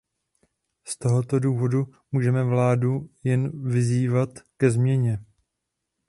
Z tohoto důvodu můžeme vládu jen vyzývat ke změně.